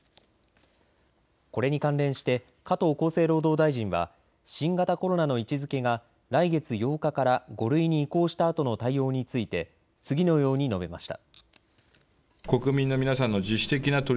これに関連して加藤厚生労働大臣は新型コロナの位置づけが来月８日から５類に移行したあとの対応について次のように述べました。